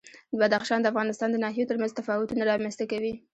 بدخشان د افغانستان د ناحیو ترمنځ تفاوتونه رامنځ ته کوي.